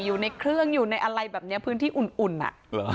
อยู่ในเครื่องอยู่ในอะไรแบบเนี้ยพื้นที่อุ่นอุ่นอ่ะเหรอ